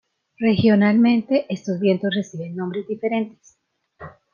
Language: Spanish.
Regionalmente, estos vientos reciben nombres diferentes.